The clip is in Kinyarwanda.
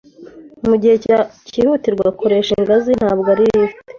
Mugihe cyihutirwa, koresha ingazi, ntabwo ari lift.